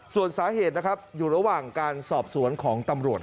ส่วนสาเหตุนะครับอยู่ระหว่างการสอบสวนของตำรวจ